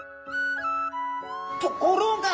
ところが！